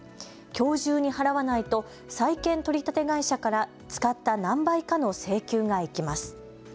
きょう中に払わないと債権取り立て会社から使った何倍かの請求がいきます。